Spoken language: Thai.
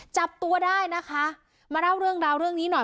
จับตัวได้นะคะมาเล่าเรื่องราวเรื่องนี้หน่อย